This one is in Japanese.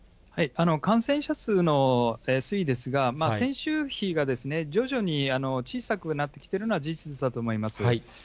感染者数の推移ですが、先週比が徐々に小さくなってきているのは事実だと思います。